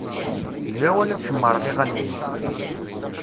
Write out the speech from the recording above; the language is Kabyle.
D lawan ad cemmṛeɣ iɣallen-iw.